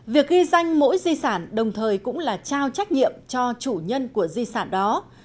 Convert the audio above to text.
việc ghi danh mỗi di sản đồng thời cũng là trao trách nhiệm cho chủ nhân của di sản đó